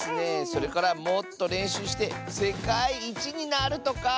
それからもっとれんしゅうしてせかいいちになるとか！